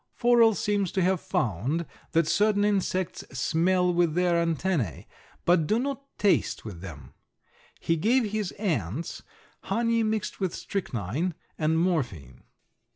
Forel seems to have found that certain insects smell with their antennæ, but do not taste with them. He gave his ants honey mixed with strychnine and morphine.